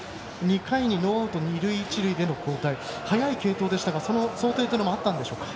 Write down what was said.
２回にノーアウト二塁一塁での交代と早い継投でしたがその想定もあったのでしょうか。